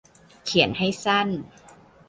เขียนให้สั้น